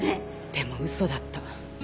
でも嘘だった。